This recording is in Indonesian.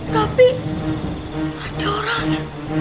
tapi ada orang